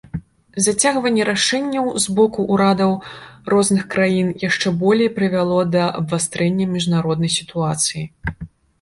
Зацягванне рашэнняў з боку ўрадаў розных краін яшчэ болей прывяло да абвастрэння міжнароднай сітуацыі.